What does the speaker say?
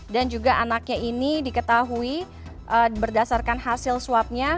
dan juga anaknya ini diketahui berdasarkan hasil swabnya